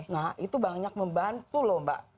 nah itu banyak membantu loh mbak